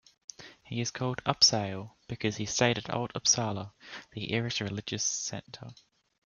He is called "Uppsale" because he stayed at Old Upsala, the era's religious centre.